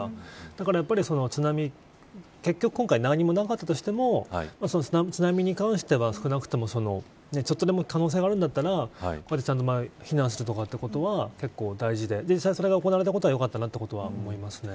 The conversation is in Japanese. だから、津波結局今回、何もなかったとしても津波に関しては少なくともちょっとでも可能性があるんだったら避難するとかということは結構大事で実際それが行われたのはよかったと思います。